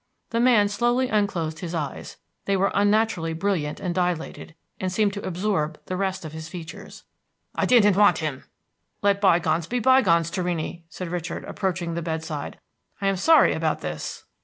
The man slowly unclosed his eyes; they were unnaturally brilliant and dilated, and seemed to absorb the rest of his features. "I didn't want him." "Let by gones be by gones, Torrini," said Richard, approaching the bedside. "I am sorry about this."